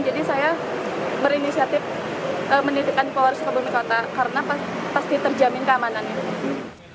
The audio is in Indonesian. jadi saya berinisiatif menitipkan polres sukabumi kota karena pasti terjamin keamanannya